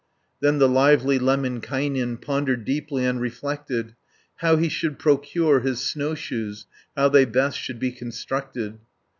40 Then the lively Lemminkainen Pondered deeply and reflected How he should procure his snowshoes, How they best should be constructed.